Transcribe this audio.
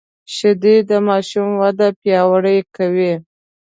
شیدې د ماشوم وده پیاوړې کوي